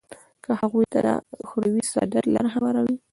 که هغوی ته د اخروي سعادت لاره هواروي.